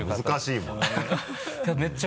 難しいもんね。